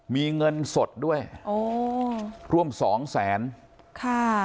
มีเงินสดด้วยโอ้ร่วมสองแสนค่ะ